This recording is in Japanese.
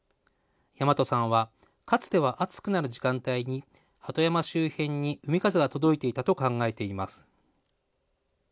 大和さんはかつては暑くなる時間帯に鳩山周辺に海風が届いていたと考えています。